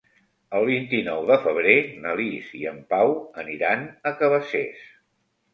El vint-i-nou de febrer na Lis i en Pau aniran a Cabacés.